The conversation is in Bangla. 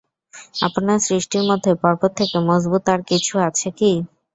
আপনার সৃষ্টির মধ্যে পর্বত থেকে মজবুত আর কিছু আছে কি?